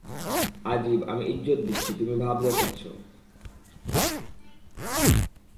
আজিব, আমি ইজ্জত দিচ্ছি, তুমি ভাব দেখাচ্ছো!